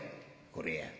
「これや。